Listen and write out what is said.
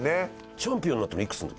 チャンピオンになったのいくつの時？